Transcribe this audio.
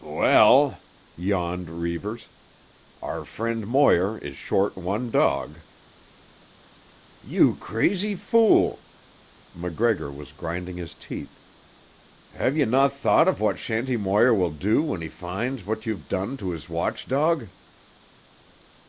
"Well," yawned Reivers, "our friend Moir is short one dog." "You crazy fool!" MacGregor was grinding his teeth. "Ha' you no' thought of what Shanty Moir will do when he finds what you've done to his watch dog?"